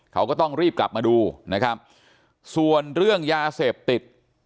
เขาก็ต้องรีบกลับมาดูนะครับส่วนเรื่องยาเสพติด